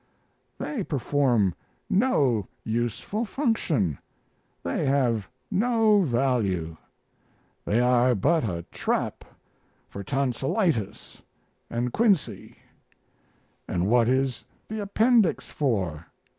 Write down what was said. They perform no useful function; they have no value. They are but a trap for tonsilitis and quinsy. And what is the appendix for?